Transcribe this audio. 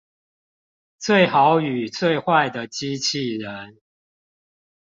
最好與最壞的機器人